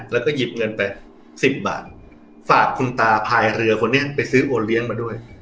แล้วก็หยิบเงินไปสิบบาทฝากคุณตาพายเรือคนนี้ไปซื้อโอเลี้ยงมาด้วย